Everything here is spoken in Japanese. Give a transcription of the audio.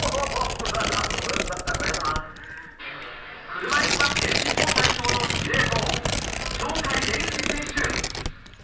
車いすバスケ日本代表の司令塔鳥海連志選手。